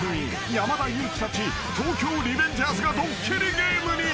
山田裕貴たち『東京リベンジャーズ』がドッキリゲームに］